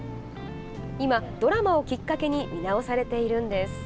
今、ドラマをきっかけに見直されているのです。